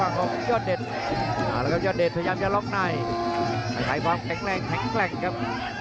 แล้วก็ยอดเดชน์พยายามจะล๊อคในหายความแข็งแรงแข็งแกร่งครับ